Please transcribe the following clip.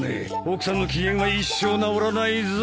奥さんの機嫌は一生直らないぞ。